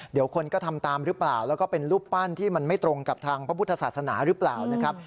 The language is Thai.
เดี๋ยวคนก็ทำตามหรือเปล่าแล้วก็เป็นรูปปั้นที่มันไม่ตรงกับทางพระพุทธศาสนาหรือเปล่านะครับ